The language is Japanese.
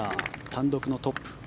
単独のトップ。